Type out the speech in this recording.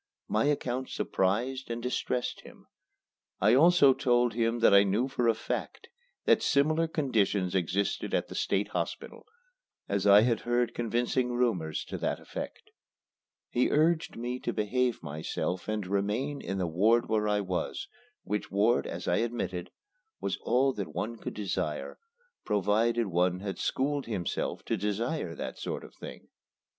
My account surprised and distressed him. I also told him that I knew for a fact that similar conditions existed at the State Hospital, as I had heard convincing rumors to that effect. He urged me to behave myself and remain in the ward where I was, which ward, as I admitted, was all that one could desire provided one had schooled himself to desire that sort of thing.